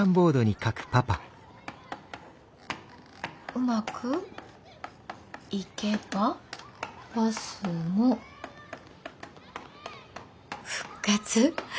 「うまくいけばバスも復活」。